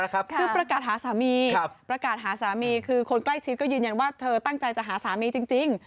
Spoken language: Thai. คือประกาศหาสามีคือคนใกล้ชิดก็ยืนยันว่าเธอตั้งใจจะหาสามีจริง